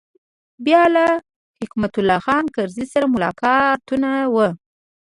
بیا له حکمت الله خان کرزي سره ملاقاتونه و.